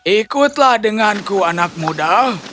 ikutlah denganku anak muda